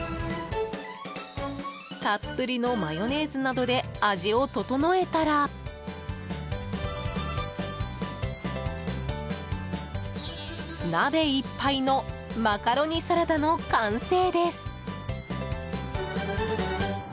たっぷりのマヨネーズなどで味を調えたら鍋いっぱいのマカロニサラダの完成です。